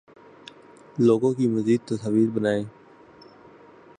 لوگوں کی مزید تصاویر بنائیں